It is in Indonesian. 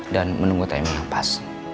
dan menunggu teman yang pas